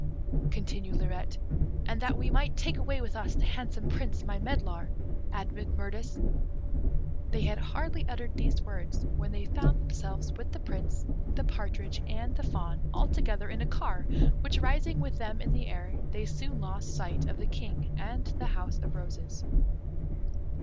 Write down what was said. continued Lirette. "And that we might take away with us the handsome Prince, my medlar!" added Mirtis. They had hardly uttered these words when they found themselves with the Prince, the partridge, and the fawn, all together in a car, which rising with them in the air, they soon lost sight of the King and the House of Roses.